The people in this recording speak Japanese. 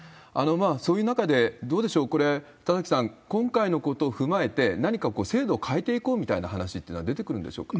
そういう中で、どうでしょうこれ田崎さん、今回のことを踏まえて、何か制度を変えていこうみたいな話ってのは出てくるんでしょうか